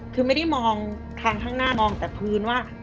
คือไม่ได้มองทางข้างหน้ามองแต่พื้นว่า